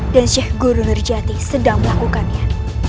dan syekh guru nerjati sedang melakukannya